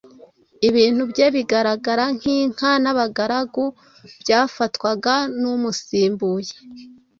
ibintu bye bigaragara nk'inka n'abagaragu byafatwaga n'umusimbuye